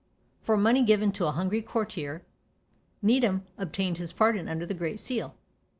For money given to a hungry courtier, Needham obtained his pardon under the great seal.